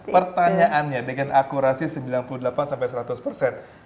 pertanyaannya dengan akurasi sembilan puluh delapan sampai seratus persen